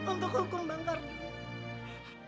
untuk hukum bang kardun